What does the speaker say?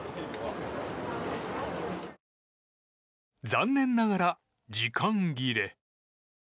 残念ながら、時間切れ。